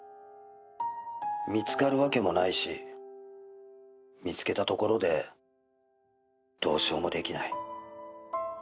「見つかるわけもないし見つけたところでどうしようもできない」